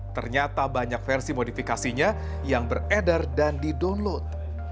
ternyata banyak versi modifikasinya yang beredar dan didownload